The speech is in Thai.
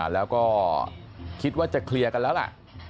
แล้วก็คิดว่าจะเคลียร์กันแล้วล่ะ